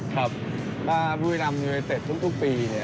ครับถ้าบุยรำเงยเต็ดทุกปี